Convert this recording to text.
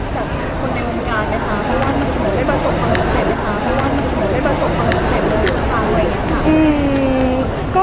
เพราะว่ามันคงไม่ประสบความละเกิดไหมคะ